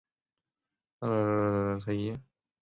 塞尔吉尼奥也立即宣布在本赛季结束后退役。